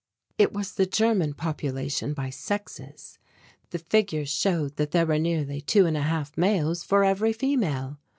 It was the German population by sexes; the figures showed that there were nearly two and a half males for every female!